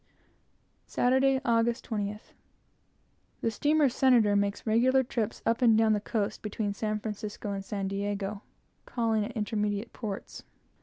Saturday, August 20th. The steamer Senator makes regular trips up and down the coast, between San Francisco and San Diego, calling at intermediate ports.